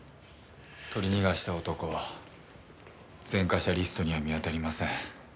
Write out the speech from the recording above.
取り逃がした男前科者リストには見当たりません。